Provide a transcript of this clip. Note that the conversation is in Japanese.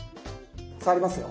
触りますよ。